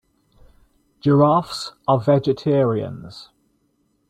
Giraffes are vegetarians.